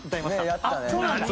あっそうなんだ。